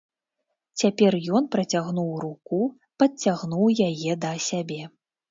Цяпер ён працягнуў руку, падцягнуў яе да сябе.